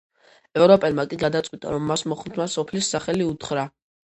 ევროპელმა კი გადაწყვიტა, რომ მას მოხუცმა სოფლის სახელი უთხრა.